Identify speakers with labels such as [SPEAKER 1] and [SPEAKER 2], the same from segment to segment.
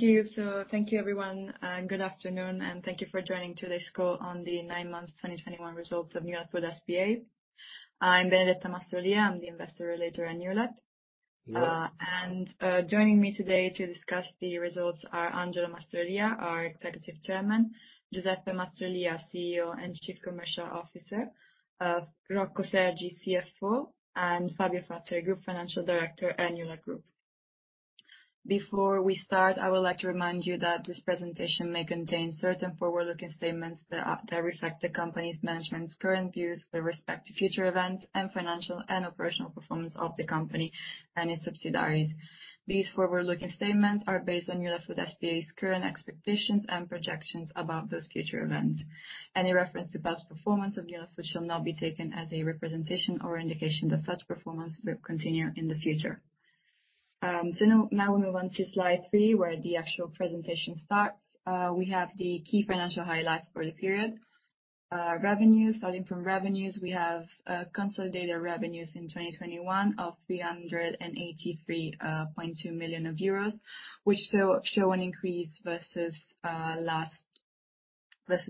[SPEAKER 1] Thank you. Thank you everyone, and good afternoon, and thank you for joining today's call on the Nine Months 2021 Results of Newlat Food S.p.A. I'm Benedetta Mastrolia, I'm Investor Relations at Newlat. Joining me today to discuss the results are Angelo Mastrolia, our Executive Chairman, Giuseppe Mastrolia, CEO and Chief Commercial Officer, Rocco Sergi, CFO, and Fabio Fazzari, Group Financial Director at Newlat Group. Before we start, I would like to remind you that this presentation may contain certain forward-looking statements that reflect the company's management's current views with respect to future events and financial and operational performance of the company and its subsidiaries. These forward-looking statements are based on Newlat Food S.p.A.'s current expectations and projections about those future events. Any reference to past performance of Newlat Food shall not be taken as a representation or indication that such performance will continue in the future. Now we move on to slide three, where the actual presentation starts. We have the key financial highlights for the period. Revenues. Starting from revenues, we have consolidated revenues in 2021 of 383.2 million euros, which show an increase vs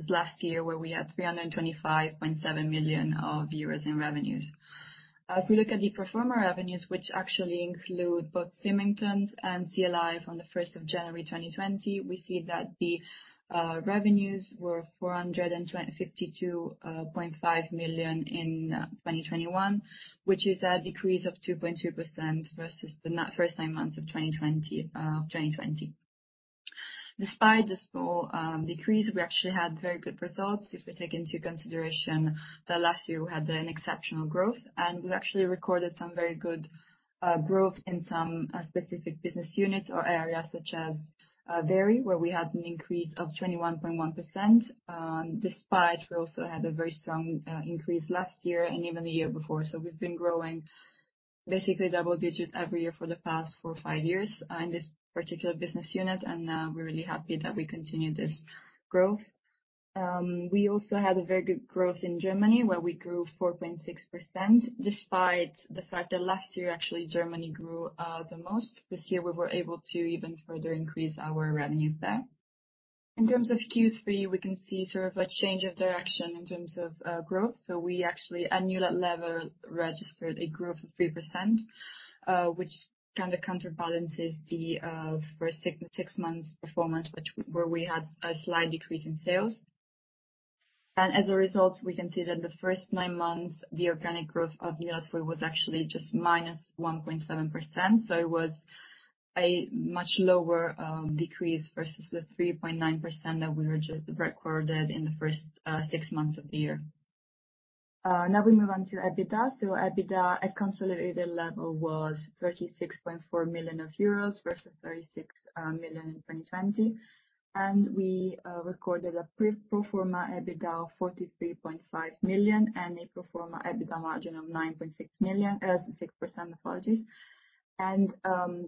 [SPEAKER 1] last year, where we had 325.7 million euros in revenues. If you look at the pro forma revenues, which actually include both Symington's and CLI from the 1st of January, 2020, we see that the revenues were 420... 52.5 million in 2021, which is a decrease of 2.2% vs the first nine months of 2020. Despite the small decrease, we actually had very good results if we take into consideration that last year we had an exceptional growth and we actually recorded some very good growth in some specific business units or areas such as Vero, where we had an increase of 21.1%, despite we also had a very strong increase last year and even the year before. We've been growing basically double-digit every year for the past 4 or 5 years in this particular business unit, and we're really happy that we continue this growth. We also had a very good growth in Germany, where we grew 4.6%, despite the fact that last year, actually, Germany grew the most. This year we were able to even further increase our revenues there. In terms of Q3, we can see sort of a change of direction in terms of growth. We actually at Newlat level registered a growth of 3%, which kinda counterbalances the first six months performance where we had a slight decrease in sales. As a result, we can see that the first nine months, the organic growth of Newlat Food was actually just -1.7%. It was a much lower decrease vs the 3.9% that we recorded in the first six months of the year. Now we move on to EBITDA. EBITDA at consolidated level was 36.4 million euros vs 36 million euros in 2020. We recorded a pre pro forma EBITDA of 43.5 million and a pro forma EBITDA margin of 9.6%, apologies.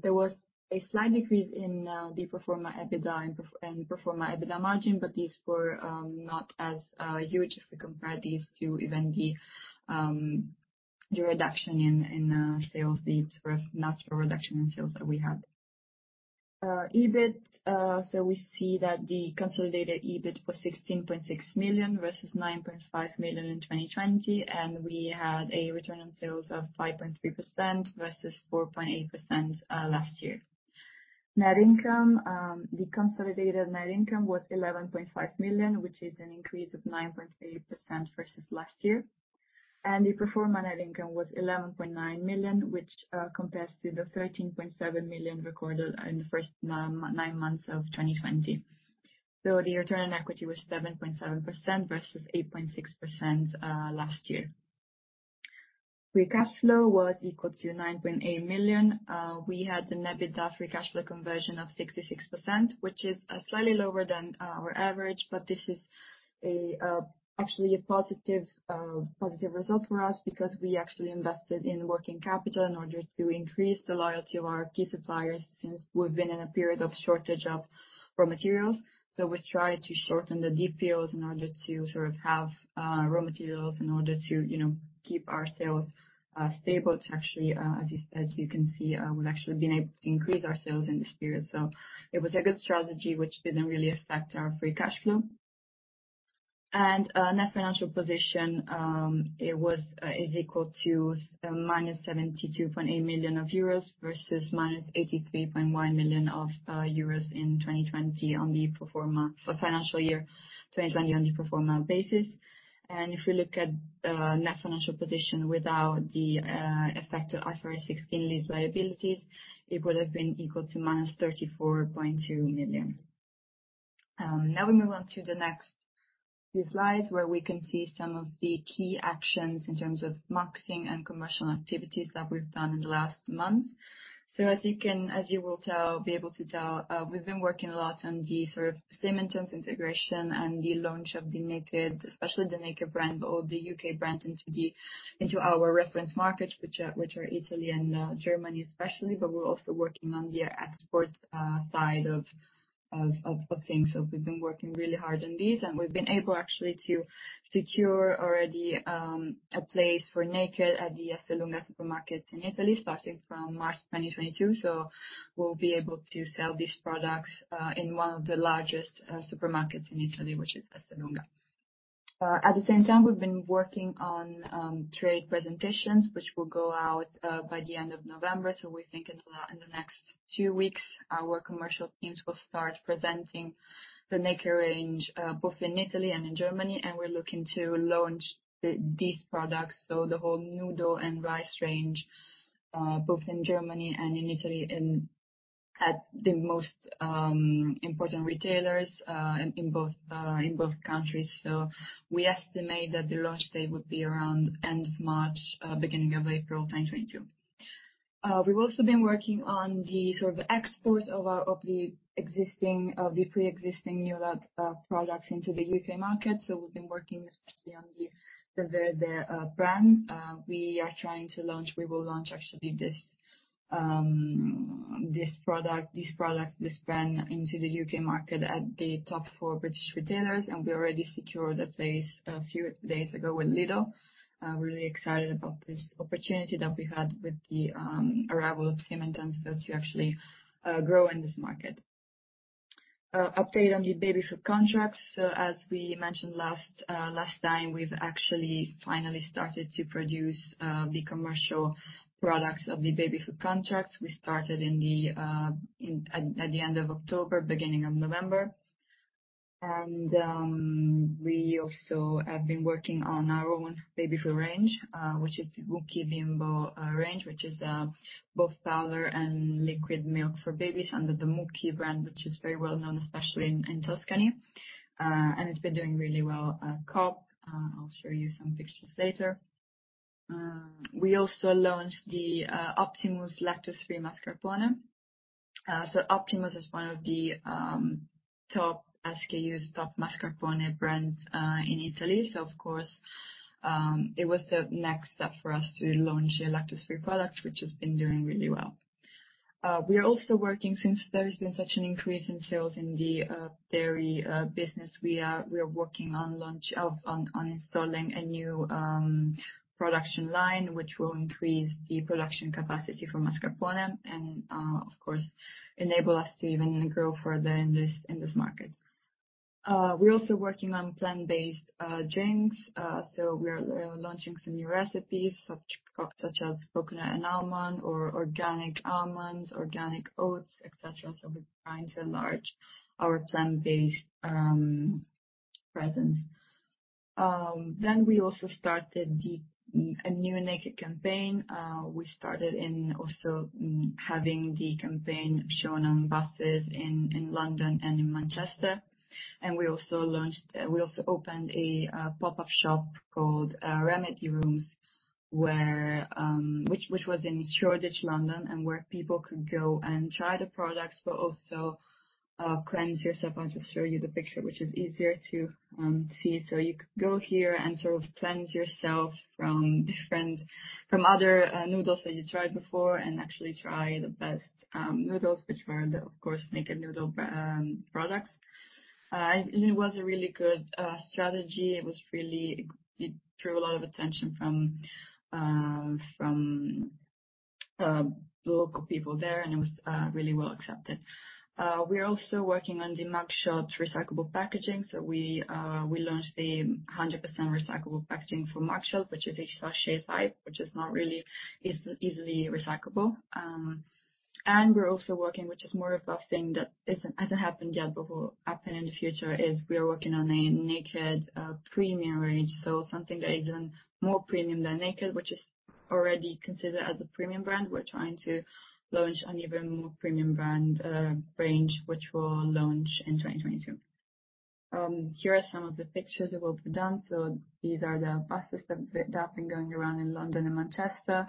[SPEAKER 1] There was a slight decrease in the pro forma EBITDA and pro forma EBITDA margin, but these were not as huge if we compare these to even the reduction in sales, the sort of natural reduction in sales that we had. EBIT, so we see that the consolidated EBIT was 16.6 million vs 9.5 million in 2020, and we had a return on sales of 5.3% vs 4.8% last year. Net income, the consolidated net income was 11.5 million, which is an increase of 9.8% vs last year. The pro forma net income was 11.9 million, which compares to the 13.7 million recorded in the first nine months of 2020. The return on equity was 7.7% vs 8.6% last year. Free cash flow was equal to 9.8 million. We had an EBITDA free cash flow conversion of 66%, which is slightly lower than our average, but this is actually a positive result for us because we actually invested in working capital in order to increase the loyalty of our key suppliers since we've been in a period of shortage of raw materials. We tried to shorten the DPOs in order to sort of have raw materials in order to, you know, keep our sales stable to actually as you can see, we've actually been able to increase our sales in this period. It was a good strategy which didn't really affect our free cash flow. Net financial position is equal to -72.8 million euros vs -83.1 million euros in 2020 on the pro forma for financial year 2020 on the pro forma basis. If we look at net financial position without the effect of IFRS 16 lease liabilities, it would have been equal to -34.2 million. Now we move on to the next few slides, where we can see some of the key actions in terms of marketing and commercial activities that we've done in the last months. As you will be able to tell, we've been working a lot on the sort of Symington's integration and the launch of the Naked, especially the Naked brand or the U.K. brand into our reference markets, which are Italy and Germany especially, but we're also working on the export side of things. We've been working really hard on this, and we've been able actually to secure already a place for Naked at the Esselunga supermarket in Italy starting from March 2022. We'll be able to sell these products in one of the largest supermarkets in Italy, which is Esselunga. At the same time, we've been working on trade presentations, which will go out by the end of November. We think it's in the next two weeks, our commercial teams will start presenting the Naked range both in Italy and in Germany. We're looking to launch these products, so the whole noodle and rice range both in Germany and in Italy at the most important retailers in both countries. We estimate that the launch date would be around end of March, beginning of April 2022. We've also been working on the sort of export of the existing pre-existing Newlat products into the U.K. market. We've been working especially on the Delverde brand. We will launch actually this brand into the U.K. market at the top four British retailers, and we already secured a place a few days ago with Lidl. We're really excited about this opportunity that we had with the arrival of Jim and Dan so that you actually grow in this market. Update on the baby food contracts. As we mentioned last time, we've actually finally started to produce the commercial products of the baby food contracts. We started at the end of October, beginning of November. We also have been working on our own baby food range, which is the Mukki Bimbo range, which is both powder and liquid milk for babies under the Mukki brand, which is very well-known, especially in Tuscany. It's been doing really well at Co-op. I'll show you some pictures later. We also launched the Optimus lactose-free mascarpone. So Optimus is one of the top SKUs, top mascarpone brands in Italy. So of course, it was the next step for us to launch a lactose-free product, which has been doing really well. We are also working since there's been such an increase in sales in the dairy business. We are working on installing a new production line, which will increase the production capacity for mascarpone and, of course, enable us to even grow further in this market. We're also working on plant-based drinks. We're launching some new recipes such as coconut and almond or organic almonds, organic oats, et cetera. We're trying to enlarge our plant-based presence. We also started a new Naked campaign. We also started having the campaign shown on buses in London and in Manchester. We also opened a pop-up shop called Remedy Rooms, which was in Shoreditch, London, and where people could go and try the products but also cleanse yourself. I'll just show you the picture, which is easier to see. You could go here and sort of cleanse yourself from other noodles that you tried before, and actually try the best noodles which were the, of course, Naked Noodle products. It was a really good strategy. It drew a lot of attention from local people there, and it was really well-accepted. We're also working on the Mug Shot recyclable packaging. We launched the 100% recyclable packaging for Mug Shot, which is HPP, which is not really easily recyclable. And we're also working, which is more of a thing that hasn't happened yet, but will happen in the future, is we are working on a Naked premium range. Something that is even more premium than Naked, which is already considered as a premium brand. We're trying to launch an even more premium brand, range, which will launch in 2022. Here are some of the pictures of what we've done. These are the buses that have been going around in London and Manchester.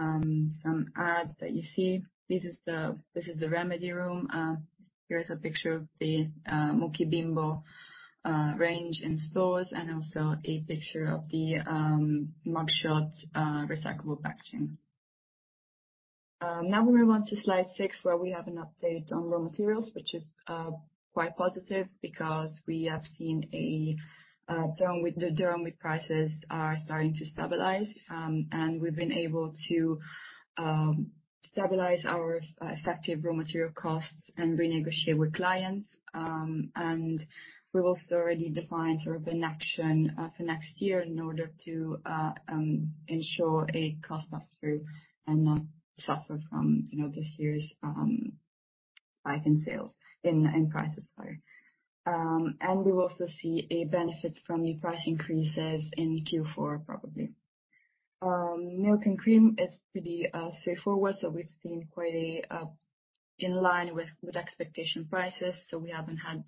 [SPEAKER 1] Some ads that you see. This is the Remedy Rooms. Here is a picture of the Mukki Bimbo range in stores and also a picture of the Mug Shot recyclable packaging. Now we move on to slide six, where we have an update on raw materials, which is quite positive because we have seen a durum wheat prices are starting to stabilize. We've been able to stabilize our effective raw material costs and renegotiate with clients. We've also already defined sort of an action for next year in order to ensure a cost pass-through and not suffer from, you know, this year's hike in prices, sorry. We will also see a benefit from the price increases in Q4, probably. Milk and cream is pretty straightforward, so we've seen prices quite in line with expectations, so we haven't had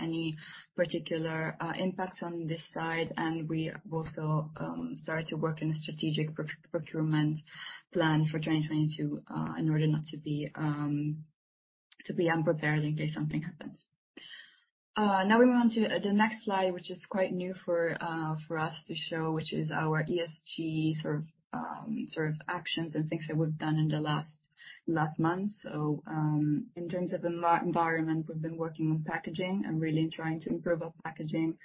[SPEAKER 1] any particular impacts on this side. We also started to work in a strategic procurement plan for 2022, in order not to be unprepared in case something happens. Now we move on to the next slide, which is quite new for us to show, which is our ESG sort of actions and things that we've done in the last month. In terms of environment, we've been working on packaging and really trying to improve our packaging.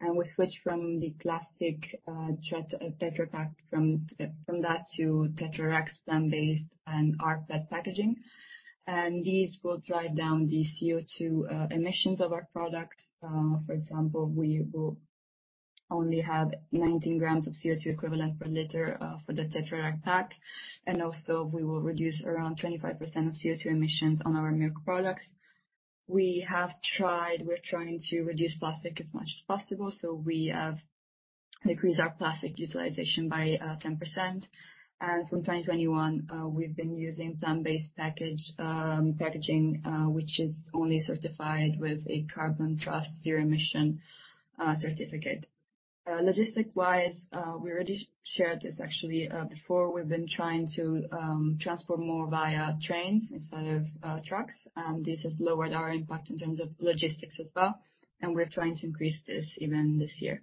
[SPEAKER 1] We switched from the classic Tetra Pak to Tetra Rex plant-based and rPET packaging. These will drive down the CO2 emissions of our products. For example, we will only have 19 grams of CO2 equivalent per liter for the Tetra Rex pack. also we will reduce around 25% of CO2 emissions on our milk products. We're trying to reduce plastic as much as possible, so we have decreased our plastic utilization by 10%. from 2021, we've been using plant-based packaging, which is only certified with a Carbon Trust Zero emission certificate. logistic-wise, we already shared this actually before. We've been trying to transport more via trains instead of trucks, and this has lowered our impact in terms of logistics as well, and we're trying to increase this even this year.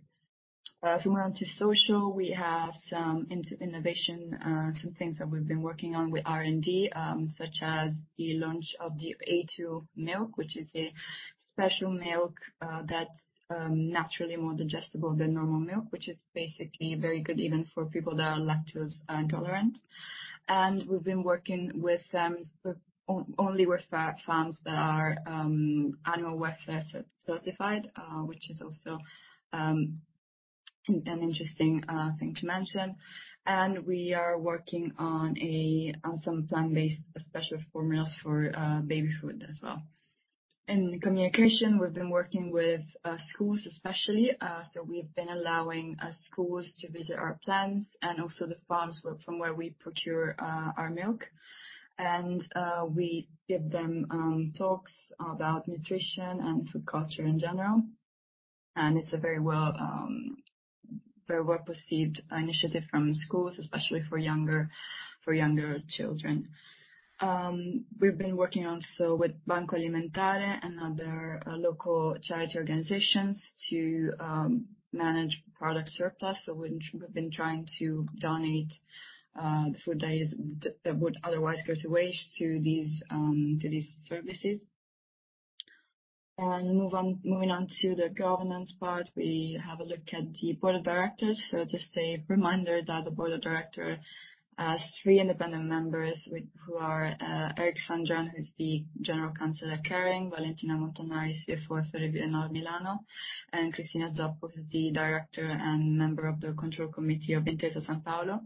[SPEAKER 1] If we move on to social, we have some innovation, some things that we've been working on with R&D, such as the launch of the a2 Milk, which is a special milk, that's naturally more digestible than normal milk, which is basically very good even for people that are lactose intolerant. We've been working with only farms that are animal welfare certified, which is also an interesting thing to mention. We are working on some plant-based special formulas for baby food as well. In communication, we've been working with schools especially. We've been allowing schools to visit our plants and also the farms from where we procure our milk. We give them talks about nutrition and food culture in general, and it's a very well-perceived initiative from schools, especially for younger children. We've been working also with Banco Alimentare and other local charity organizations to manage product surplus. We've been trying to donate the food that would otherwise go to waste to these services. Move on to the governance part, we have a look at the board of directors. Just a reminder that the board of directors has three independent members who are Eric Sandrin, who's the General Counsel at Kering, Valentina Montanari, CFO for Rivian Milano, and Cristina Zoppi, the Director and member of the control committee of Intesa Sanpaolo.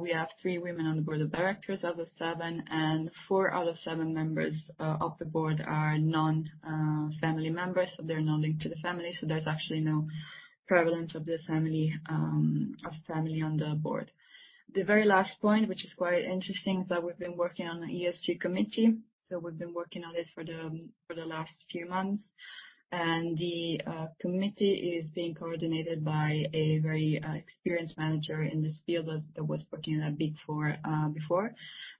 [SPEAKER 1] We have three women on the board of directors out of seven, and four out of seven members of the board are non-family members, so they're not linked to the family, so there's actually no prevalence of family on the board. The very last point, which is quite interesting, is that we've been working on the ESG committee. We've been working on this for the last few months. The committee is being coordinated by a very experienced manager in this field that was working at Big Four before.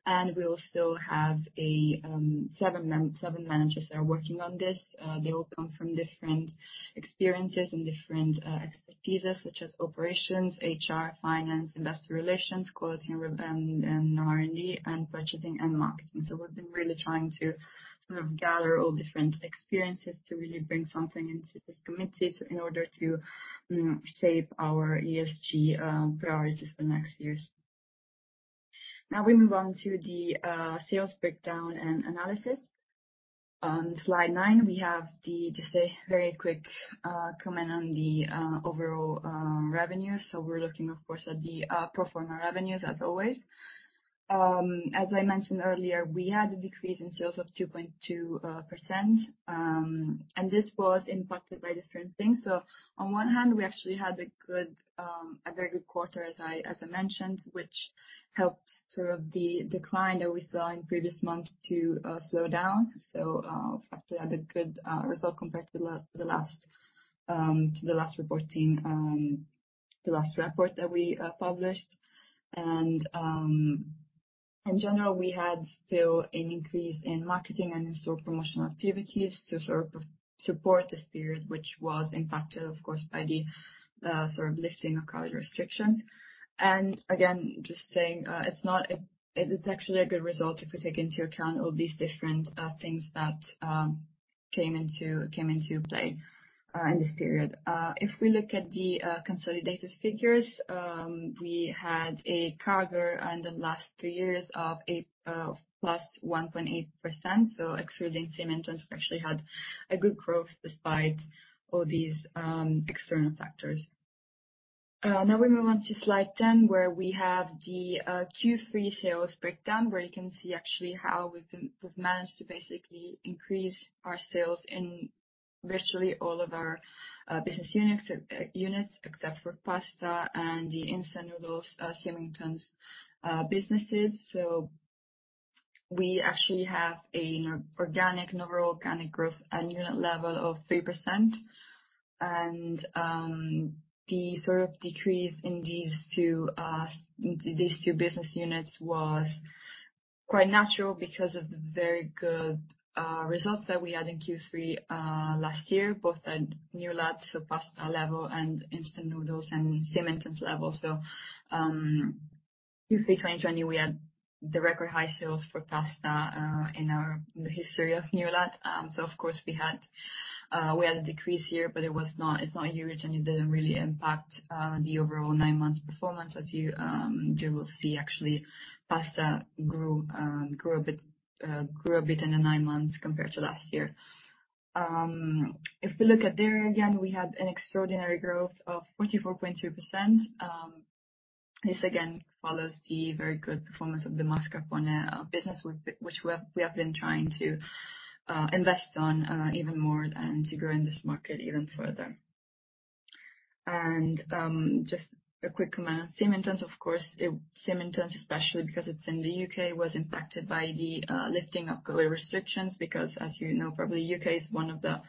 [SPEAKER 1] We also have seven managers that are working on this. They all come from different experiences and different expertises such as operations, HR, finance, investor relations, quality and branding and R&D, and budgeting and marketing. We've been really trying to sort of gather all different experiences to really bring something into this committee so in order to shape our ESG priorities for next years. Now we move on to the sales breakdown and analysis. On slide nine, we have the just a very quick comment on the overall revenues. We're looking, of course, at the pro forma revenues as always. As I mentioned earlier, we had a decrease in sales of 2.2%, and this was impacted by different things. On one hand, we actually had a very good quarter, as I mentioned, which helped sort of the decline that we saw in previous months to slow down. In fact, we had a good result compared to the last report that we published. In general, we had still an increase in marketing and in-store promotional activities to sort of support this period, which was impacted, of course, by the sort of lifting of COVID restrictions. Again, just saying, it's actually a good result if we take into account all these different things that came into play in this period. If we look at the consolidated figures, we had a CAGR on the last three years of 8 +1.8%. Excluding Symington's, we actually had a good growth despite all these external factors. Now we move on to slide 10, where we have the Q3 sales breakdown, where you can see actually how we've managed to basically increase our sales in virtually all of our business units except for pasta and the instant noodles, Symington's businesses. We actually have you know an overall organic growth at unit level of 3%. The sort of decrease in these two business units was quite natural because of the very good results that we had in Q3 last year, both at Newlat's pasta level and instant noodles and Symington's level. Q3 2020, we had the record high sales for pasta in our history of Newlat. So of course we had a decrease here, but it was not huge, and it didn't really impact the overall nine months performance. As you will see actually pasta grew a bit in the nine months compared to last year. If we look at dairy again, we had an extraordinary growth of 44.2%. This again follows the very good performance of the mascarpone business, which we have been trying to invest on even more and to grow in this market even further. Just a quick comment. Symington's, of course, it... Symington's, especially because it's in the U.K., was impacted by the lifting of COVID restrictions, because as you know, probably U.K. is one of the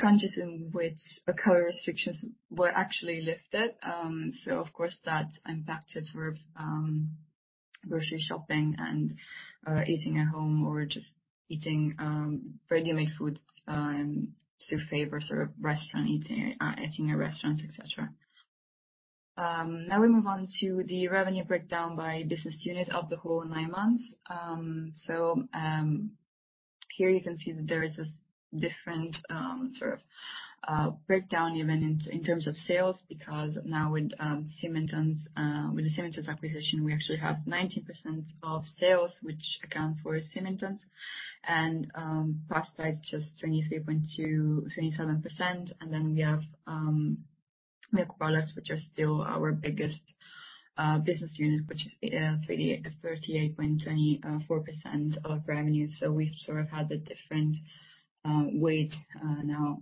[SPEAKER 1] countries in which the COVID restrictions were actually lifted. Of course, that impacted sort of grocery shopping and eating at home or just eating ready-made foods to favor sort of restaurant eating at restaurants, etc. Now we move on to the revenue breakdown by business unit of the whole nine months. Here you can see that there is this different sort of breakdown even in terms of sales, because now with Symington's, with the Symington's acquisition, we actually have 90% of sales which account for Symington's. Pasta is just 23.2, 27%. We have milk products, which are still our biggest business unit, which is 38.24% of revenue. We've sort of had a different weight now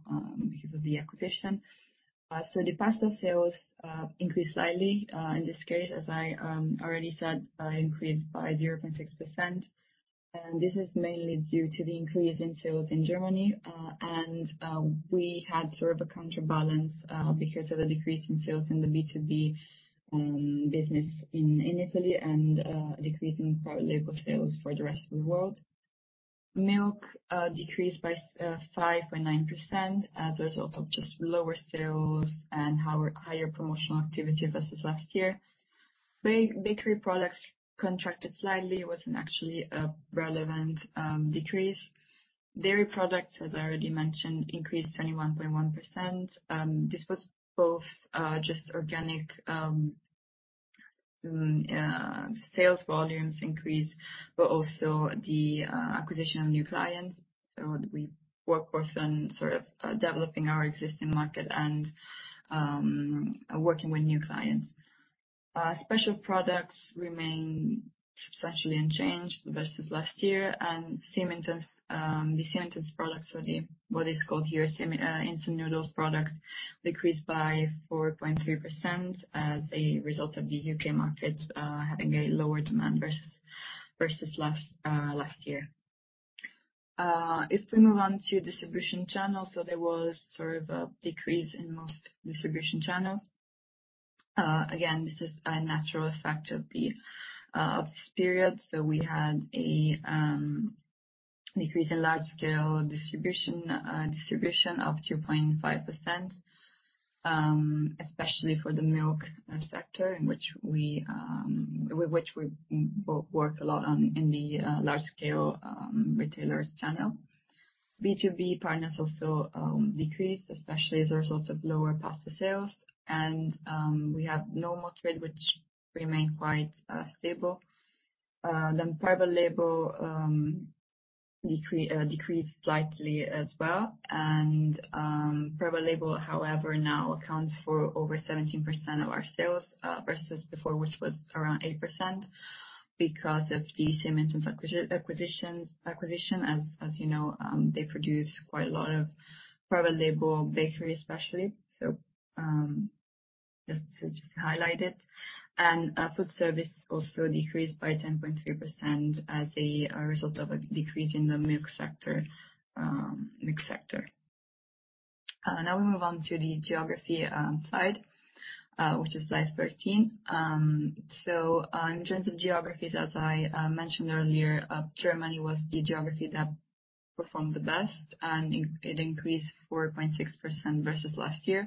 [SPEAKER 1] because of the acquisition. The pasta sales increased slightly in this case, as I already said, increased by 0.6%. This is mainly due to the increase in sales in Germany. We had sort of a counterbalance because of the decrease in sales in the B2B business in Italy and a decrease in private label sales for the rest of the world. Milk decreased by 5.9% as a result of just lower sales and higher promotional activity vs last year. Bakery products contracted slightly. It wasn't actually a relevant decrease. Dairy products, as I already mentioned, increased 21.1%. This was both just organic sales volumes increase, but also the acquisition of new clients. We work with and sort of developing our existing market and working with new clients. Special products remain substantially unchanged vs last year. Symington's, the Symington's products or what is called here Symington's instant noodles products decreased by 4.3% as a result of the U.K. market having a lower demand vs last year. If we move on to distribution channels, there was sort of a decrease in most distribution channels. Again, this is a natural effect of this period. We had a decrease in large-scale distribution of 2.5%, especially for the milk sector, in which we work a lot on in the large-scale retailers channel. B2B partners also decreased, especially as a result of lower pasta sales. We have normal trade which remained quite stable. Private label decreased slightly as well. Private label, however, now accounts for over 17% of our sales, vs before, which was around 8% because of the Symington's acquisition. As you know, they produce quite a lot of private label bakery especially. Just to highlight it. Food service also decreased by 10.3% as a result of a decrease in the milk sector. Now we move on to the geography side, which is slide 13. In terms of geographies, as I mentioned earlier, Germany was the geography that performed the best, and it increased 4.6% vs last year.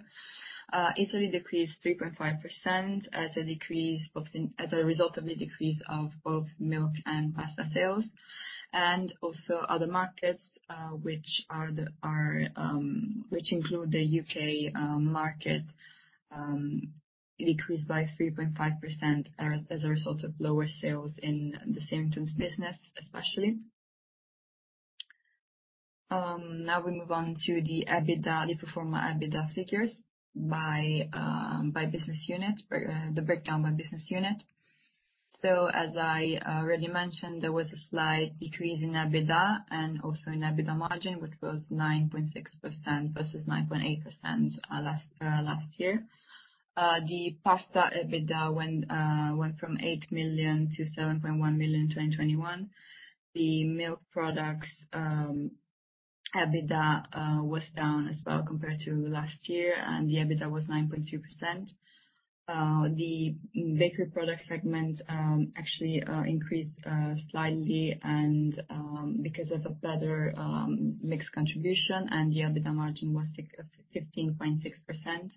[SPEAKER 1] Italy decreased 3.5% as a result of the decrease of both milk and pasta sales. Other markets, which include the U.K. market, decreased by 3.5% as a result of lower sales in the Symington's business especially. Now we move on to the EBITDA, the pro forma EBITDA figures by business unit, the breakdown by business unit. As I already mentioned, there was a slight decrease in EBITDA and also in EBITDA margin, which was 9.6% vs 9.8% last year. The pasta EBITDA went from 8 million to 7.1 million in 2021. The milk products EBITDA was down as well compared to last year, and the EBITDA was 9.2%. The Bakery Product segment actually increased slightly because of the better mixed contribution, and the EBITDA margin was 15.6%.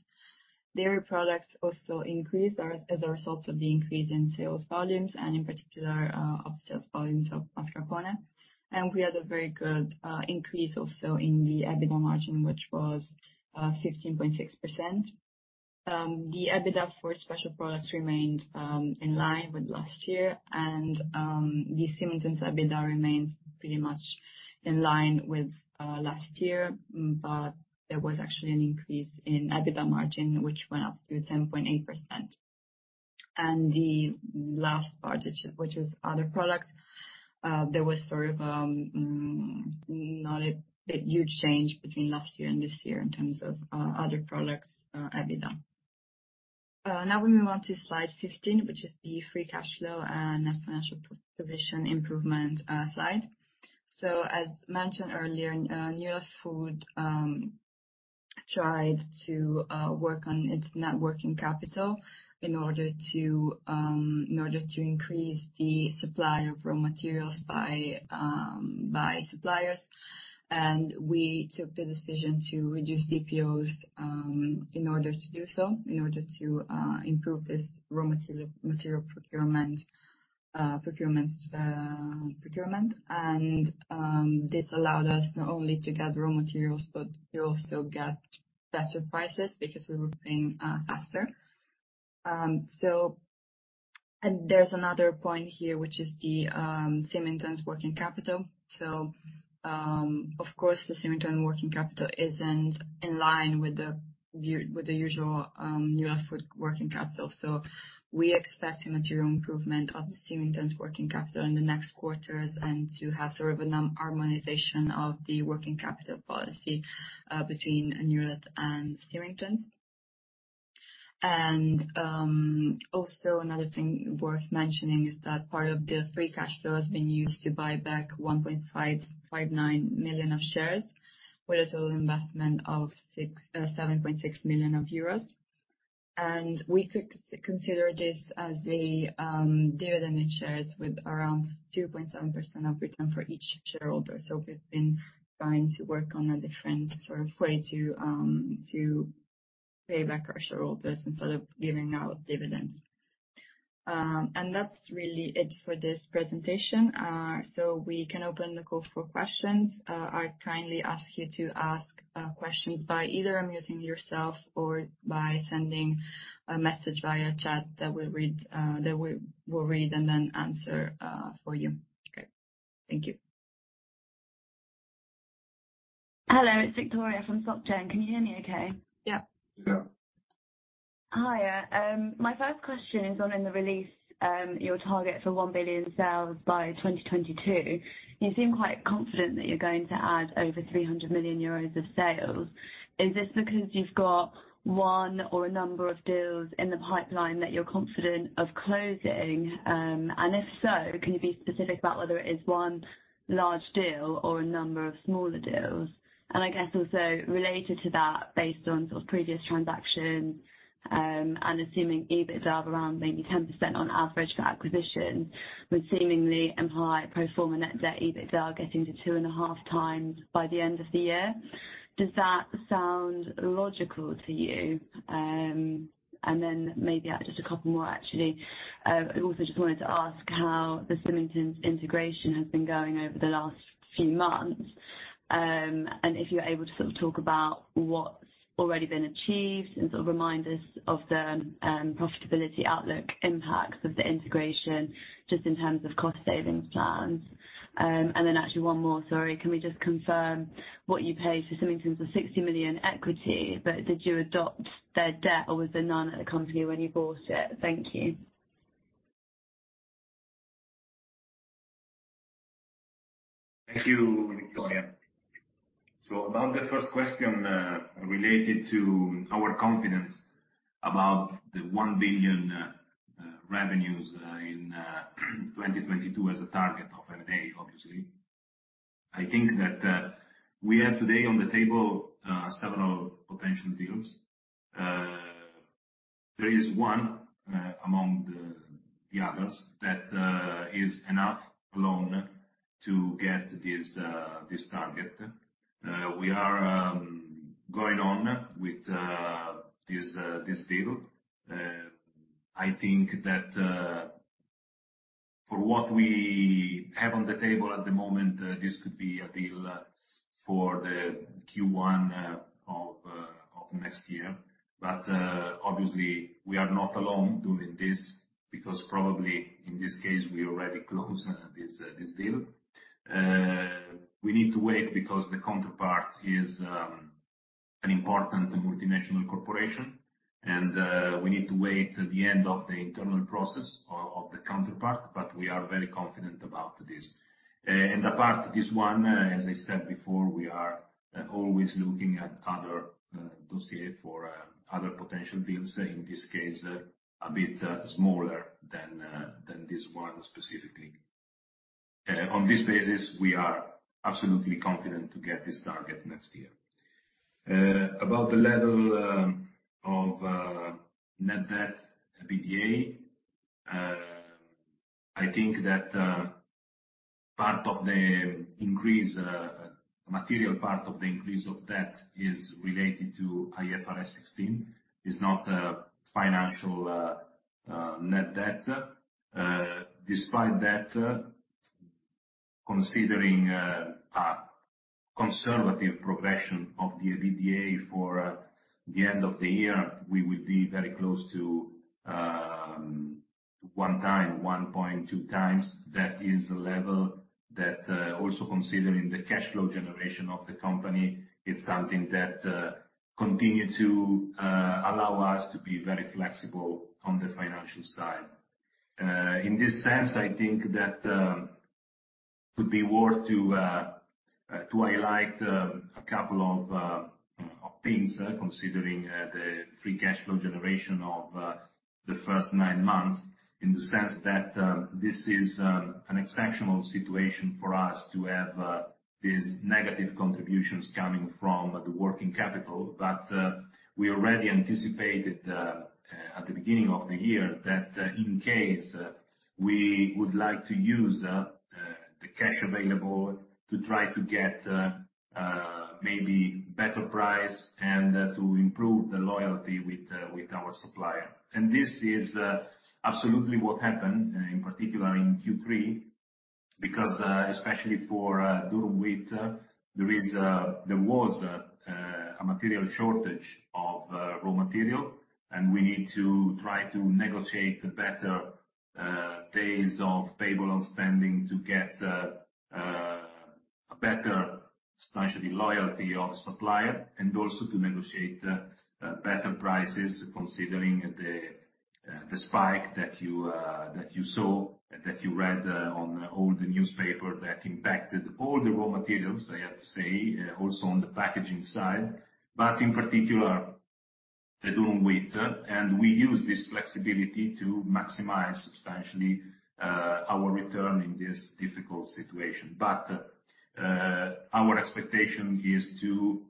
[SPEAKER 1] Dairy products also increased as a result of the increase in sales volumes and in particular of sales volumes of mascarpone. We had a very good increase also in the EBITDA margin, which was 15.6%. The EBITDA for special products remained in line with last year. The Symington's EBITDA remains pretty much in line with last year, but there was actually an increase in EBITDA margin, which went up to 10.8%. The last part, which is other products, there was sort of not a huge change between last year and this year in terms of other products EBITDA. Now we move on to slide 15, which is the free cash flow and net financial position improvement slide. As mentioned earlier, Newlat Food tried to work on its net working capital in order to increase the supply of raw materials by suppliers. We took the decision to reduce DPOs in order to improve this raw material procurement. This allowed us not only to get raw materials, but we also get better prices because we were paying faster. There's another point here, which is the Symington's working capital. Of course, the Symington working capital isn't in line with the usual Newlat Food working capital. We expect a material improvement of the Symington's working capital in the next quarters and to have sort of a harmonization of the working capital policy between Newlat and Symington. Also another thing worth mentioning is that part of the free cash flow has been used to buy back 1.559 million shares with a total investment of 7.6 million euros. We could consider this as the dividend shares with around 2.7% return for each shareholder. We've been trying to work on a different sort of way to pay back our shareholders instead of giving out dividends. That's really it for this presentation. We can open the call for questions. I kindly ask you to ask questions by either unmuting yourself or by sending a message via chat that we'll read and then answer for you. Okay. Thank you.
[SPEAKER 2] Hello, it's Victoria from SocGen. Can you hear me okay?
[SPEAKER 1] Yeah.
[SPEAKER 3] Yeah.
[SPEAKER 2] Hi. My first question is on, in the release, your target for 1 billion sales by 2022. You seem quite confident that you're going to add over 300 million euros of sales. Is this because you've got one or a number of deals in the pipeline that you're confident of closing? If so, can you be specific about whether it is one large deal or a number of smaller deals? I guess also related to that, based on sort of previous transactions, and assuming EBITDA of around maybe 10% on average for acquisition would seemingly imply pro forma net debt EBITDA getting to 2.5x by the end of the year. Does that sound logical to you? Then maybe just a couple more actually. I also just wanted to ask how the Symington's integration has been going over the last few months. If you're able to sort of talk about what's already been achieved and sort of remind us of the profitability outlook impacts of the integration, just in terms of cost savings plans. Actually one more, sorry. Can we just confirm what you paid for Symington's 60 million equity, but did you adopt their debt or was there none at the company when you bought it? Thank you.
[SPEAKER 3] Thank you, Victoria. About the first question related to our confidence about the 1 billion revenues in 2022 as a target of Newlat, obviously. I think that we have today on the table several potential deals. There is one among the others that is enough alone to get this target. We are going on with this deal. I think that for what we have on the table at the moment, this could be a deal for the Q1 of next year. Obviously, we are not alone doing this because probably in this case, we already closed this deal. We need to wait because the counterpart is an important multinational corporation. We need to wait for the end of the internal process of the counterparty, but we are very confident about this. Apart from this one, as I said before, we are always looking at other dossier for other potential deals. In this case, a bit smaller than this one specifically. On this basis, we are absolutely confident to get this target next year. About the level of net debt to EBITDA, I think that a material part of the increase of debt is related to IFRS 16. It is not a financial net debt. Despite that, considering a conservative progression of the EBITDA for the end of the year, we will be very close to 1x-1.2x. That is a level that, also considering the cash flow generation of the company, is something that continue to allow us to be very flexible on the financial side. In this sense, I think that could be worth to highlight a couple of things, considering the free cash flow generation of the first nine months, in the sense that this is an exceptional situation for us to have these negative contributions coming from the working capital. We already anticipated at the beginning of the year that in case we would like to use the cash available to try to get maybe better price and to improve the loyalty with our supplier. This is absolutely what happened, in particular in Q3. Because especially for durum wheat, there was a material shortage of raw material. We need to try to negotiate better days of payable outstanding to get a better, especially the loyalty of the supplier, and also to negotiate better prices, considering the spike that you saw that you read on all the newspapers that impacted all the raw materials, I have to say, also on the packaging side. In particular, the durum wheat. We use this flexibility to maximize substantially our return in this difficult situation. Our expectation is to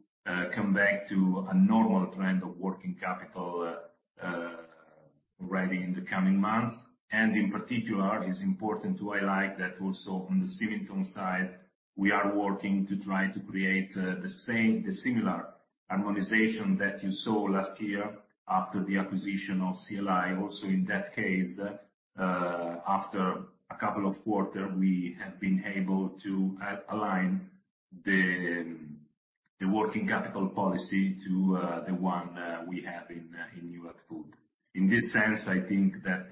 [SPEAKER 3] come back to a normal trend of working capital already in the coming months. In particular, it's important to highlight that also on the Symington's side, we are working to try to create the same similar harmonization that you saw last year after the acquisition of CLI. Also in that case, after a couple of quarters, we have been able to align the working capital policy to the one we have in Newlat Food. In this sense, I think that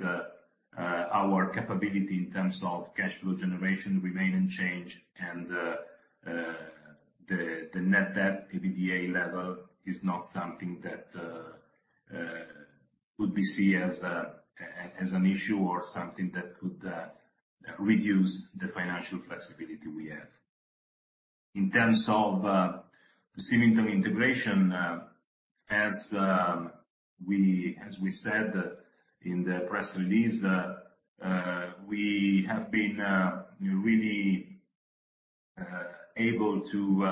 [SPEAKER 3] our capability in terms of cash flow generation remain unchanged and the net debt EBITDA level is not something that would be seen as an issue or something that could reduce the financial flexibility we have. In terms of the Symington's integration, as we said in the press release, we have been really able to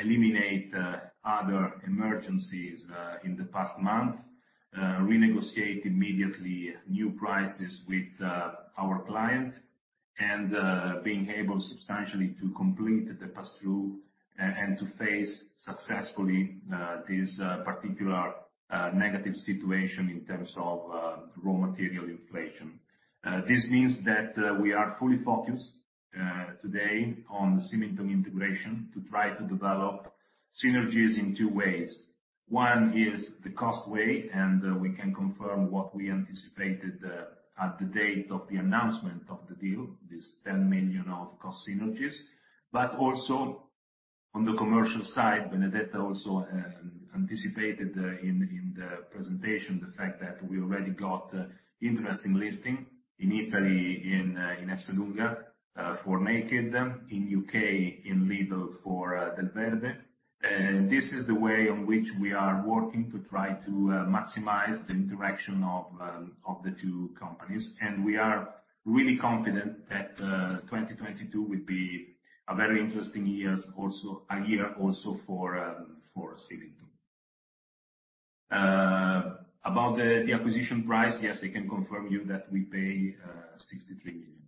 [SPEAKER 3] eliminate other emergencies in the past month, renegotiate immediately new prices with our clients, and being able substantially to complete the pass-through and to face successfully this particular negative situation in terms of raw material inflation. This means that we are fully focused today on the Symington's integration to try to develop synergies in two ways. One is the cost way, and we can confirm what we anticipated at the date of the announcement of the deal, 10 million of cost synergies. On the commercial side, Benedetta also anticipated in the presentation the fact that we already got interesting listing in Italy, in Esselunga for Naked, in the U.K., in Lidl for Delverde. This is the way on which we are working to try to maximize the interaction of the two companies. We are really confident that 2022 will be a very interesting year also for Symington. About the acquisition price, yes, I can confirm you that we pay 63 million.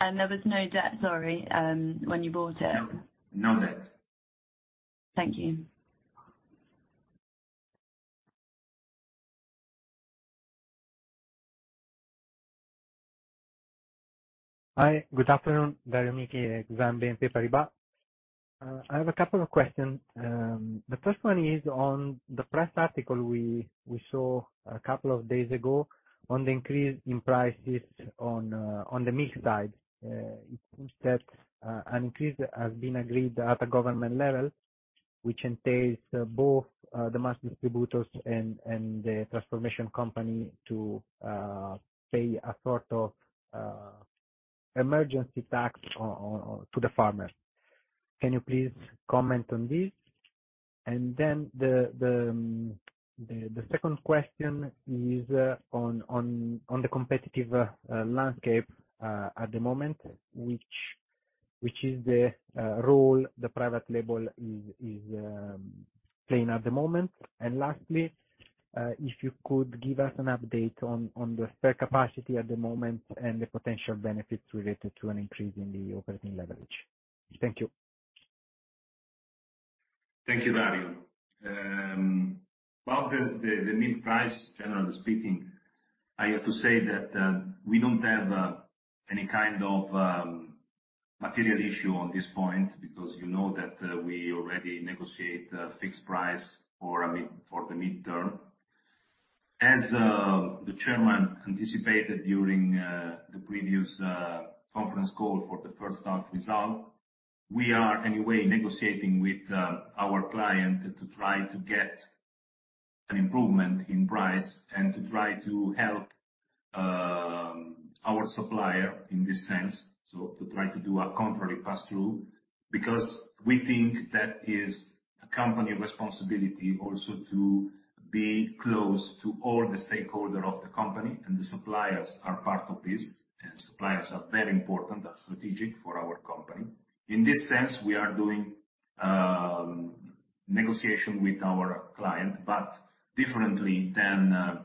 [SPEAKER 2] There was no debt, sorry, when you bought it?
[SPEAKER 3] No, no debt.
[SPEAKER 2] Thank you.
[SPEAKER 4] Hi. Good afternoon. Jeremy, BNP Paribas. I have a couple of questions. The first one is on the press article we saw a couple of days ago on the increase in prices on the milk side. It seems that an increase has been agreed at the government level, which entails both the mass distributors and the transformation company to pay a sort of emergency tax on to the farmers. Can you please comment on this? Then the second question is on the competitive landscape at the moment, which is the role the private label is playing at the moment. Lastly, if you could give us an update on the spare capacity at the moment and the potential benefits related to an increase in the operating leverage. Thank you.
[SPEAKER 3] Thank you, Dario. About the milk price, generally speaking, I have to say that we don't have any kind of material issue on this point because you know that we already negotiate a fixed price for the midterm. As the chairman anticipated during the previous conference call for the first half result, we are anyway negotiating with our client to try to get an improvement in price and to try to help our supplier in this sense, so to try to do a contrary pass-through. Because we think that is a company responsibility also to be close to all the stakeholder of the company and the suppliers are part of this, and suppliers are very important, are strategic for our company. In this sense, we are doing negotiation with our client, but differently than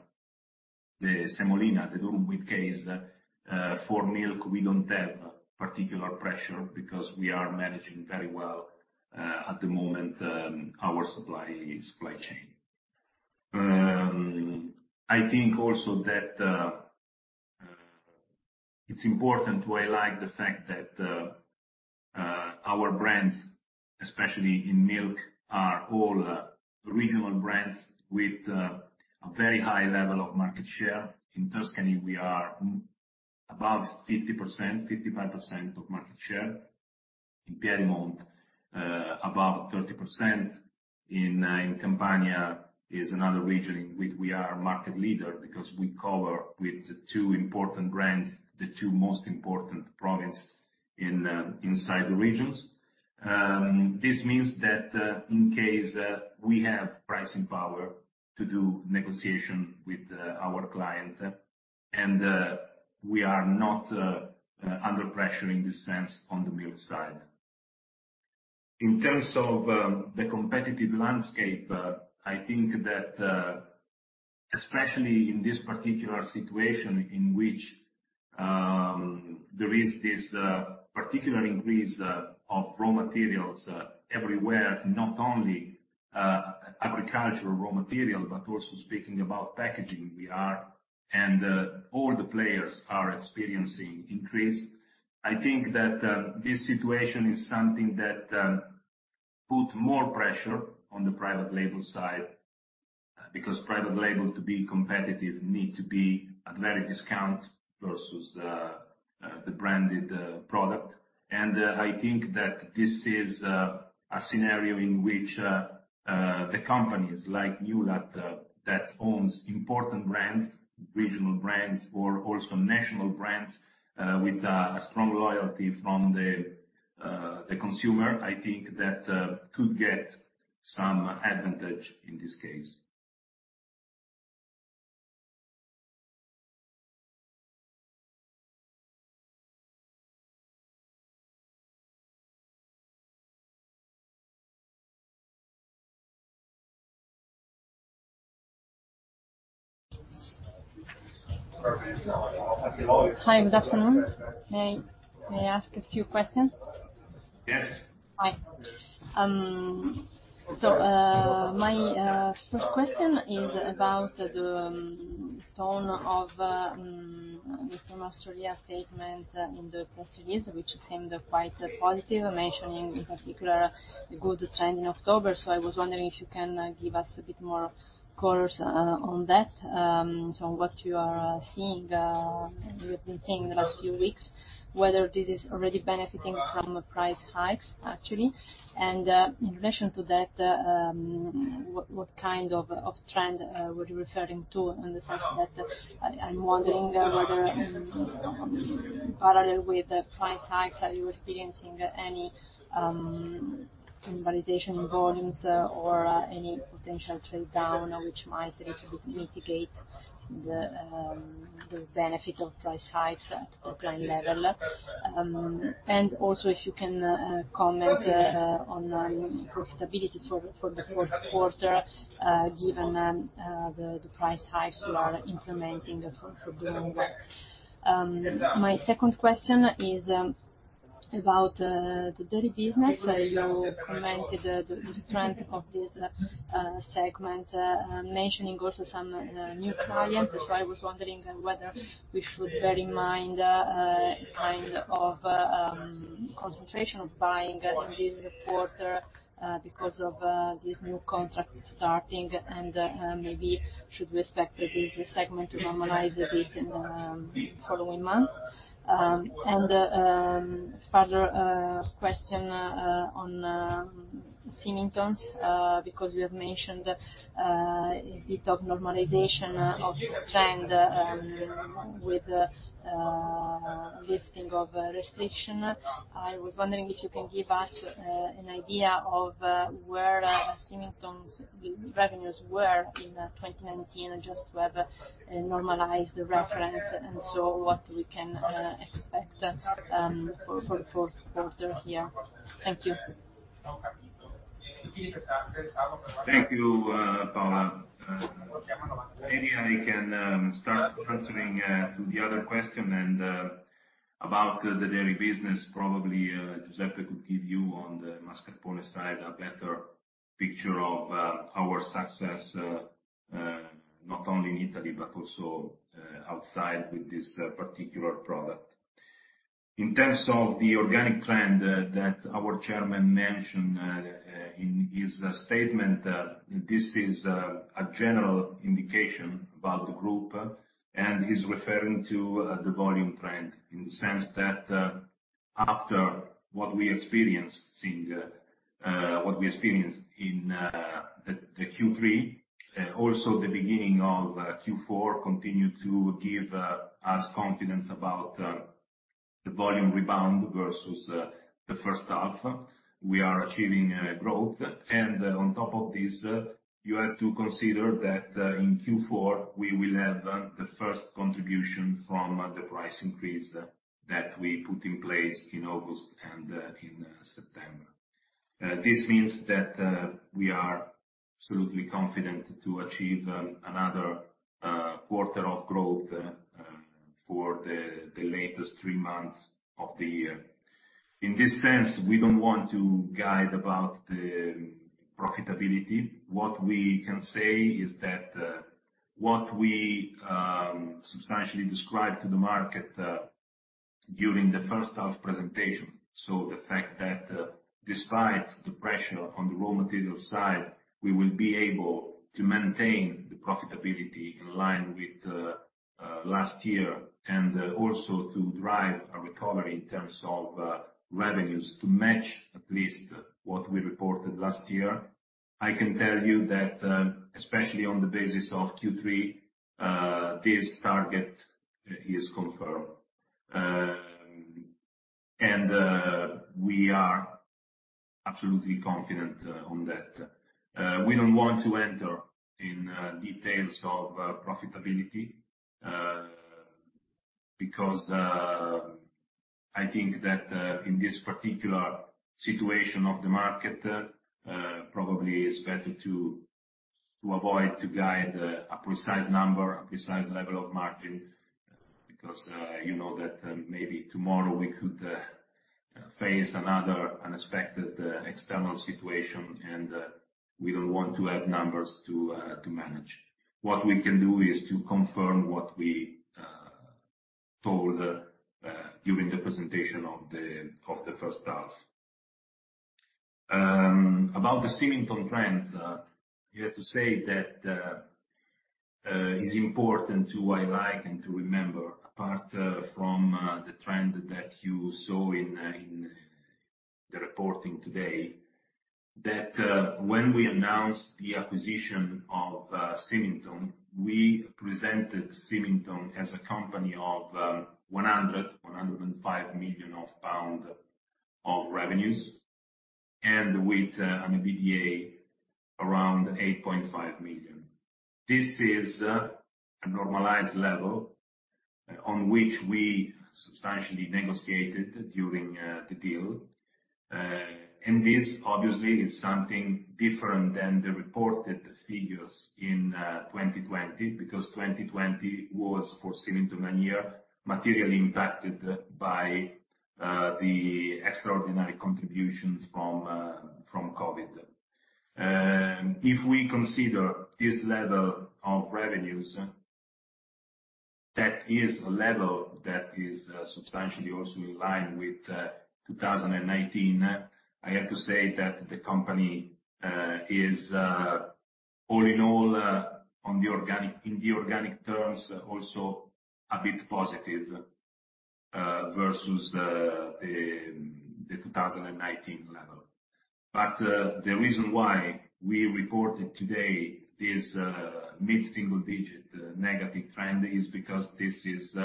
[SPEAKER 3] the semolina, the durum wheat case, for milk, we don't have particular pressure because we are managing very well at the moment our supply chain. I think also that it's important to highlight the fact that our brands, especially in milk, are all regional brands with a very high level of market share. In Tuscany, we are about 50%-55% of market share. In Piedmont, above 30%. In Campania is another region in which we are market leader because we cover with two important brands, the two most important province in inside the regions. This means that in case we have pricing power to do negotiation with our client and we are not under pressure in this sense on the milk side. In terms of the competitive landscape, I think that especially in this particular situation in which there is this particular increase of raw materials everywhere, not only agricultural raw material, but also speaking about packaging, all the players are experiencing increase. I think that this situation is something that put more pressure on the private label side because private label to be competitive need to be at very discount vs the branded product. I think that this is a scenario in which the companies like you that owns important brands, regional brands or also national brands, with a strong loyalty from the consumer, I think that could get some advantage in this case.
[SPEAKER 5] Hi, good afternoon. May I ask a few questions?
[SPEAKER 3] Yes.
[SPEAKER 5] Hi. My first question is about the tone of Mr. Mastrolia's statement in the press release, which seemed quite positive, mentioning in particular the good trend in October. I was wondering if you can give us a bit more color on that. What you have been seeing in the last few weeks, whether this is already benefiting from price hikes, actually. In relation to that, what kind of trend were you referring to in the sense that I'm wondering whether parallel with the price hikes, are you experiencing any declining volumes or any potential trade down which might a little bit mitigate the benefit of price hikes at group level? Also, if you can comment on profitability for the fourth quarter, given the price hikes you are implementing for doing that. My second question is about the dairy business. You commented the strength of this segment, mentioning also some new clients. I was wondering whether we should bear in mind kind of concentration of buying in this quarter because of this new contract starting and maybe should we expect this segment to normalize a bit in the following months? Further question on Symington's because we have mentioned a bit of normalization of the trend with lifting of restriction. I was wondering if you can give us an idea of where Symington's revenues were in 2019, just to have a normalized reference, and so what we can expect for further year. Thank you.
[SPEAKER 3] Thank you, Paula. Maybe I can start answering to the other question and about the dairy business, probably Giuseppe could give you on the mascarpone side a better picture of our success, not only in Italy, but also outside with this particular product. In terms of the organic trend that our chairman mentioned in his statement, this is a general indication about the group, and he's referring to the volume trend, in the sense that after what we experienced in the Q3, also the beginning of Q4 continued to give us confidence about the volume rebound vs the first half. We are achieving growth. On top of this, you have to consider that in Q4 we will have the first contribution from the price increase that we put in place in August and in September. This means that we are absolutely confident to achieve another quarter of growth for the latest three months of the year. In this sense, we don't want to guide about the profitability. What we can say is that what we substantially described to the market during the first half presentation, so the fact that despite the pressure on the raw material side, we will be able to maintain the profitability in line with last year and also to drive a recovery in terms of revenues to match at least what we reported last year. I can tell you that, especially on the basis of Q3, this target is confirmed. We are absolutely confident on that. We don't want to enter in details of profitability because I think that in this particular situation of the market, probably it's better to avoid to guide a precise number, a precise level of margin, because you know that maybe tomorrow we could face another unexpected external situation, and we don't want to have numbers to manage. What we can do is to confirm what we told during the presentation of the first half. About the Symington's trends, you have to say that it's important to highlight and to remember, apart from the trend that you saw in the reporting today, that when we announced the acquisition of Symington's, we presented Symington's as a company of 105 million pound of revenues, and with an EBITDA around 8.5 million. This is a normalized level on which we substantially negotiated during the deal. This obviously is something different than the reported figures in 2020, because 2020 was, for Symington's, a year materially impacted by the extraordinary contributions from COVID. If we consider this level of revenues, that is a level that is substantially also in line with 2019. I have to say that the company is all in all in the organic terms also a bit positive vs the 2019 level. The reason why we reported today this mid-single digit negative trend is because this is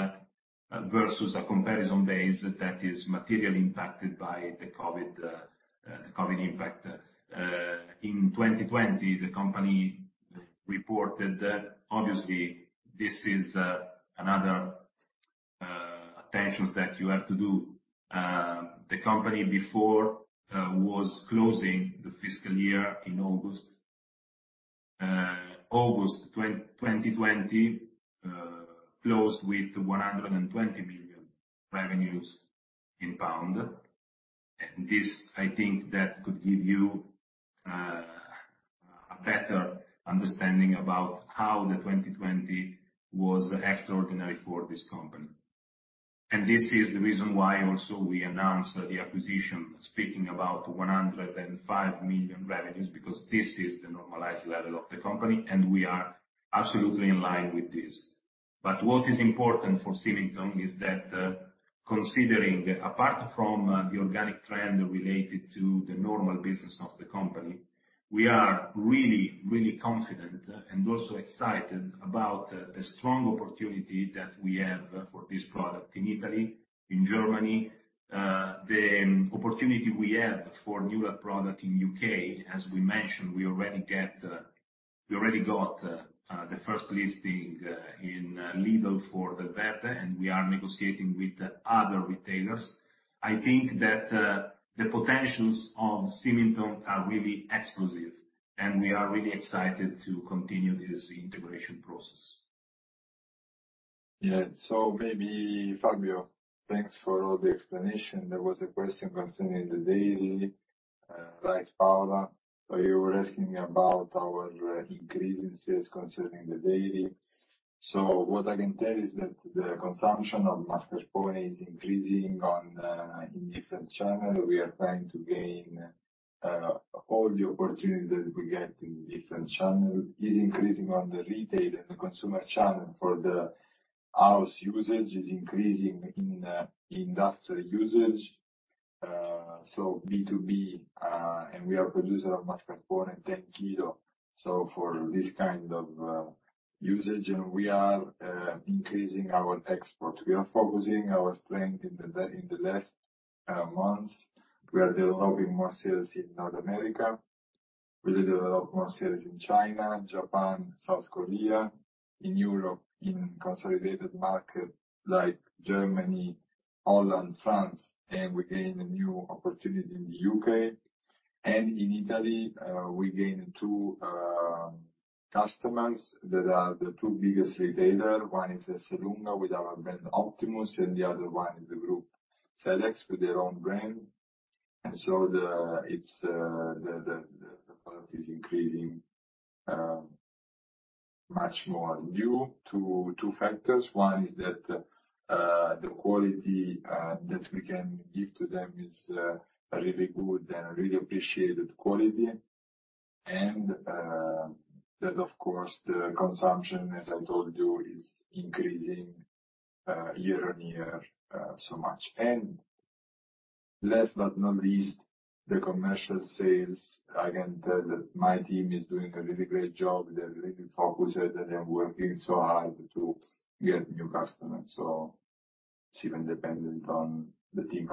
[SPEAKER 3] vs a comparison base that is materially impacted by the COVID impact. In 2020, the company reported, obviously, this is another attenuation that you have to do. The company before was closing the fiscal year in August. August 2020 closed with 120 million revenues. This, I think that could give you better understanding about how the 2020 was extraordinary for this company. This is the reason why also we announced the acquisition, speaking about 105 million revenues, because this is the normalized level of the company, and we are absolutely in line with this. What is important for Symington's is that, considering apart from the organic trend related to the normal business of the company, we are really, really confident and also excited about the strong opportunity that we have for this product in Italy, in Germany. The opportunity we have for newer product in U.K., as we mentioned, we already got the first listing in Lidl for the beta, and we are negotiating with the other retailers. I think that the potentials of Symington's are really exclusive, and we are really excited to continue this integration process.
[SPEAKER 6] Yeah. Maybe, Fabio, thanks for all the explanation. There was a question concerning the dairy, right, Paula. You were asking about our increase in sales concerning the dairy. What I can tell is that the consumption of mascarpone is increasing in different channel. We are trying to gain all the opportunity that we get in different channel. It is increasing in the retail and the consumer channel. For the house usage, it is increasing in industrial usage, so B2B, and we are producer of mascarpone 10 kilo, so for this kind of usage. We are increasing our export. We are focusing our strength in the last months. We are developing more sales in North America. We develop more sales in China, Japan, South Korea, in Europe, in consolidated market like Germany, Holland, France, and we gain a new opportunity in the U.K. In Italy, we gained two customers that are the two biggest retailer. One is Esselunga with our brand Optimus, and the other one is the group Selex with their own brand. The product is increasing much more due to two factors. One is that the quality that we can give to them is really good and really appreciated quality. That of course, the consumption, as I told you, is increasing year-on-year so much. Last but not least, the commercial sales. I can tell that my team is doing a really great job. They're really focused, and they're working so hard to get new customers. It's even dependent on the team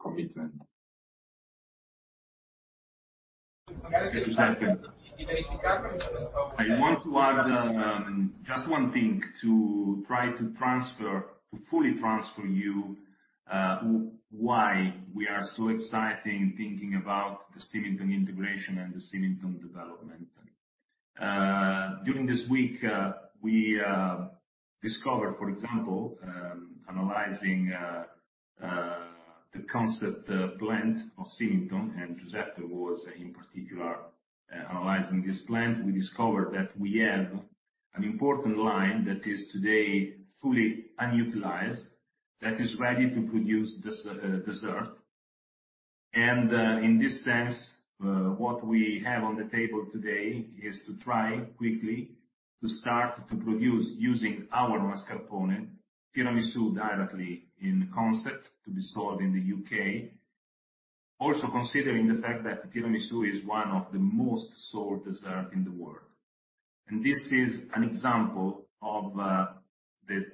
[SPEAKER 6] commitment.
[SPEAKER 3] Giuseppe, I want to add just one thing to try to transfer, to fully transfer to you why we are so excited thinking about the Symington's integration and the Symington's development. During this week, we discovered, for example, analyzing the Consett plant of Symington's, and Giuseppe was in particular analyzing this plant. We discovered that we have an important line that is today fully unutilized, that is ready to produce dessert. In this sense, what we have on the table today is to try quickly to start to produce using our mascarpone tiramisu directly in Consett to be sold in the U.K. Also considering the fact that tiramisu is one of the most sold dessert in the world. This is an example of the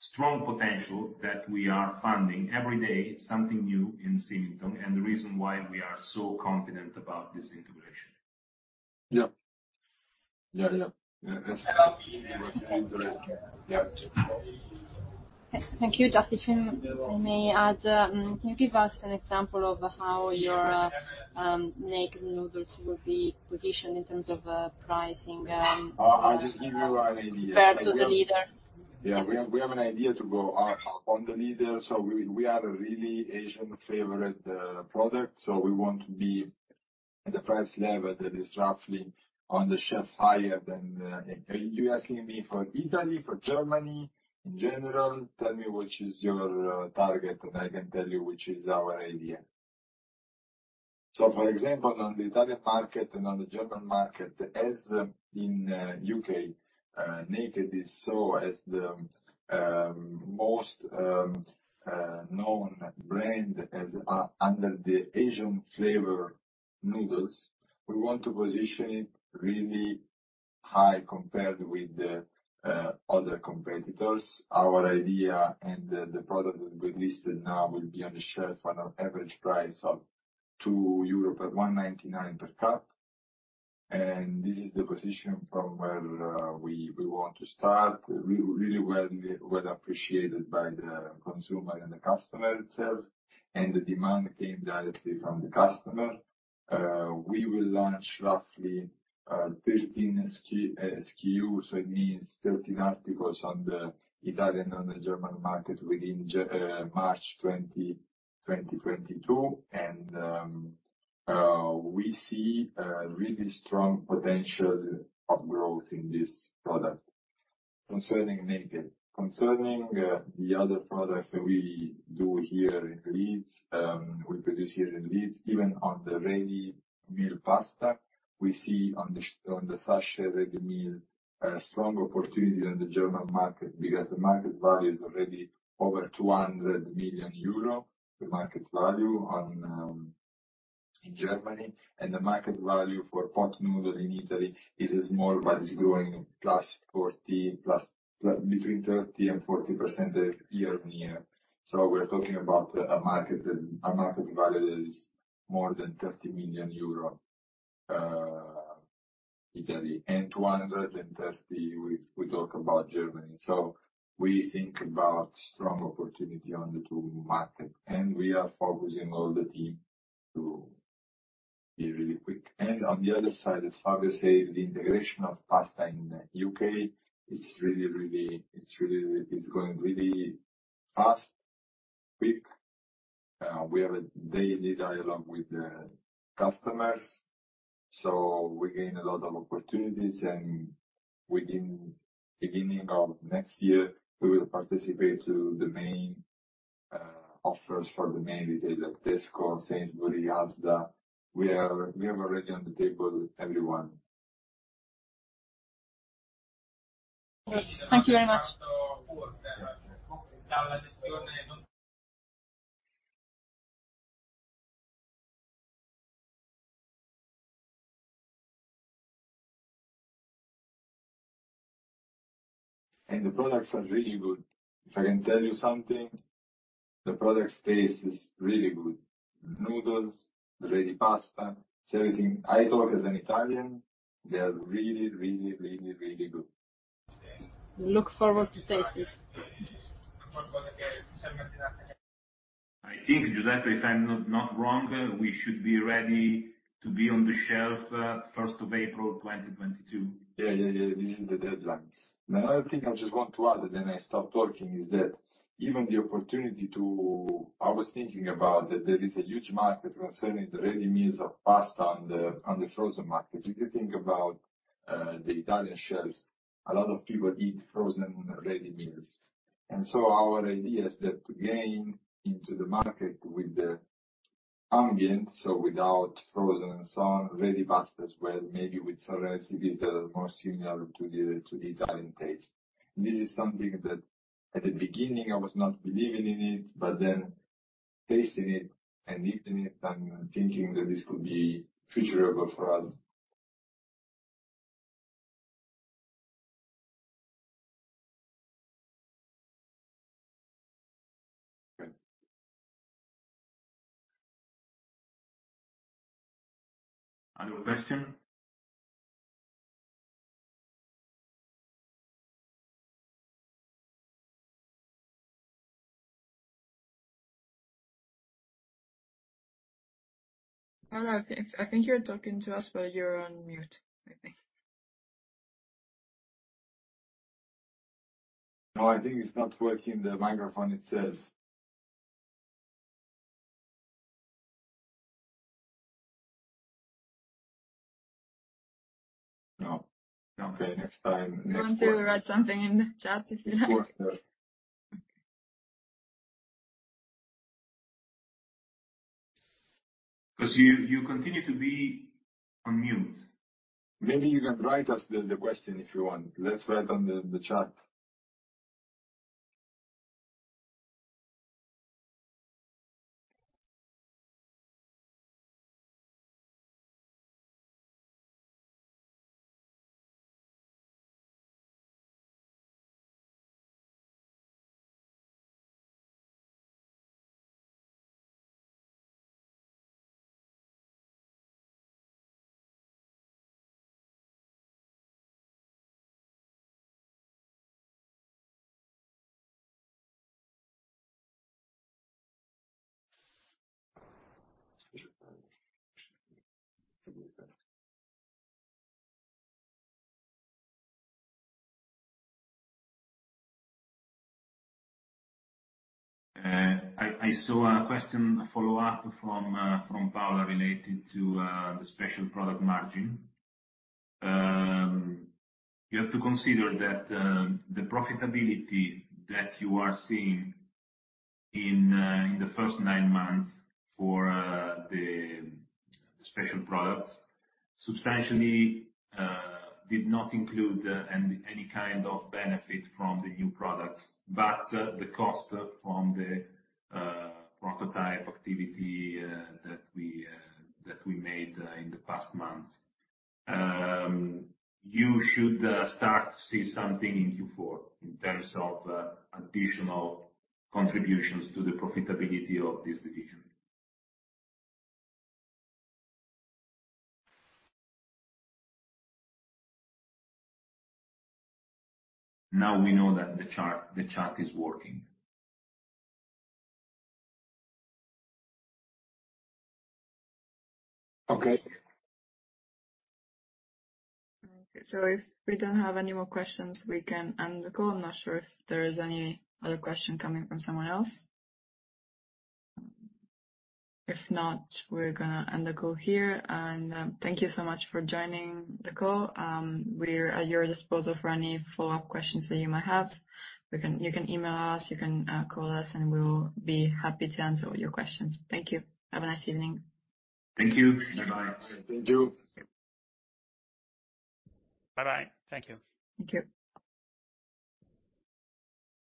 [SPEAKER 3] strong potential that we are finding every day something new in Symington and the reason why we are so confident about this integration.
[SPEAKER 6] Yeah. Yeah, yeah.
[SPEAKER 7] Thank you. Giuseppe, if I may add, can you give us an example of how your Naked Noodle will be positioned in terms of pricing?
[SPEAKER 6] I'll just give you an idea.
[SPEAKER 7] compared to the leader?
[SPEAKER 6] We have an idea to go up on the ladder. We are a real Asian favorite product, so we want to be at the price level that is roughly on the shelf higher than. Are you asking me for Italy, for Germany, in general? Tell me which is your target, and I can tell you which is our idea. For example, on the Italian market and on the German market, as in the U.K., Naked is seen as the most known brand in the Asian flavor noodles. We want to position it really high compared with the other competitors. Our idea and the product that we listed now will be on the shelf on an average price of 2 euro, but 1.99 per cup. This is the position from where we want to start. Really well appreciated by the consumer and the customer itself, and the demand came directly from the customer. We will launch roughly 13 SKUs. So it means 13 articles on the Italian and the German market within March 2022, and we see a really strong potential of growth in this product. Concerning Naked. Concerning the other products that we do here in Leeds, we produce here in Leeds, even on the ready meal pasta, we see on the sachet ready meal a strong opportunity in the German market because the market value is already over 200 million euro. The market value in Germany. The market value for Pot Noodle in Italy is small, but it's growing between 30% and 40% year-on-year. We're talking about a market value that is more than 30 million euro, Italy, and 230 million, we talk about Germany. We think about strong opportunity on the two markets. We are focusing all the team to be really quick. On the other side, as Fabio said, the integration of pasta in the U.K. Is going really fast, quick. We have a daily dialogue with the customers, so we gain a lot of opportunities. Within beginning of next year, we will participate to the main offers for the main retailers like Tesco, Sainsbury's, ASDA. We have already on the table everyone.
[SPEAKER 7] Thank you very much.
[SPEAKER 6] The products are really good. If I can tell you something, the product taste is really good. Noodles, ready pasta, everything. I talk as an Italian. They are really good.
[SPEAKER 7] look forward to tasting it.
[SPEAKER 3] I think, Giuseppe, if I'm not wrong, we should be ready to be on the shelf first of April 2022.
[SPEAKER 6] Yeah. This is the deadline. Another thing I just want to add, then I stop talking, is that even the opportunity. I was thinking about that there is a huge market concerning the ready meals of pasta on the frozen market. If you think about the Italian shelves, a lot of people eat frozen ready meals. Our idea is that to gain into the market with the ambient, so without frozen and so on, ready pasta as well, maybe with some recipes that are more similar to the Italian taste. This is something that at the beginning I was not believing in it, but then tasting it and eating it, I'm thinking that this could be feasible for us.
[SPEAKER 3] Okay. Other question?
[SPEAKER 1] Paula, I think you're talking to us, but you're on mute, I think.
[SPEAKER 3] No, I think it's not working. The microphone, it says no. Okay. Next time.
[SPEAKER 1] Want to write something in the chat if you like.
[SPEAKER 3] Of course. Yeah. Okay. 'Cause you continue to be on mute.
[SPEAKER 6] Maybe you can write us the question if you want. Let's write on the chat.
[SPEAKER 3] I saw a question follow up from Paula related to the special product margin. You have to consider that the profitability that you are seeing in the first nine months for the special products substantially did not include any kind of benefit from the new products, but the cost from the prototype activity that we made in the past months. You should start to see something in Q4 in terms of additional contributions to the profitability of this division. Now we know that the chat is working. Okay.
[SPEAKER 1] Okay. If we don't have any more questions, we can end the call. I'm not sure if there's any other question coming from someone else. If not, we're gonna end the call here. Thank you so much for joining the call. We're at your disposal for any follow-up questions that you might have. You can email us, you can call us, and we will be happy to answer all your questions. Thank you. Have a nice evening.
[SPEAKER 3] Thank you. Bye-bye.
[SPEAKER 6] Thank you.
[SPEAKER 5] Bye-bye. Thank you.
[SPEAKER 1] Thank you.